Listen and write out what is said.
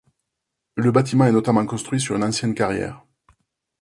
Le bâtiment est notamment construit sur une ancienne carrière.